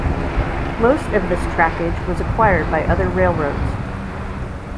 Most of this trackage was acquired by other railroads.